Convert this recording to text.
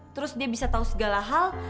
terus dia bisa tahu segala hal